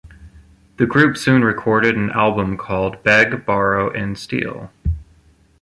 The group soon recorded an album called "Beg, Borrow and Steal".